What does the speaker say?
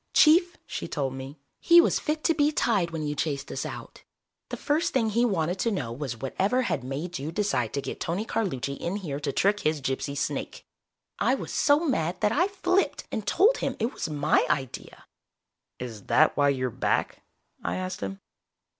"Chief," she told me. "He was fit to be tied when you chased us out. The first thing he wanted to know was whatever had made you decide to get Tony Carlucci in here to trick his gypsy snake. I was so mad that I flipped and told him it was my idea." "Is that why you're back?" I asked him.